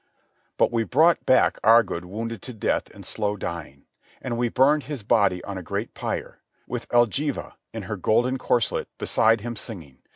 But we brought back Agard wounded to death and slow dying. And we burned his body on a great pyre, with Elgiva, in her golden corselet, beside him singing.